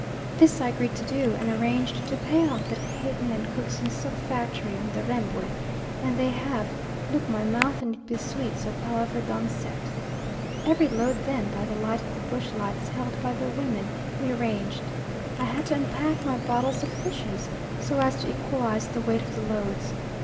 This I agreed to do, and arranged to pay off at Hatton and Cookson's subfactory on the Rembwe, and they have "Look my mouth and it be sweet, so palaver done set." Every load then, by the light of the bush lights held by the women, we arranged. I had to unpack my bottles of fishes so as to equalise the weight of the loads.